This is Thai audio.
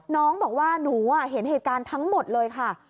น้องบอกว่าหนูเห็นเหตุการณ์ทั้งหมดเลยค่ะ